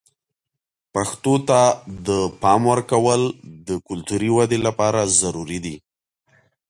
پښتو ته د پام ورکول د کلتوري ودې لپاره ضروري دي.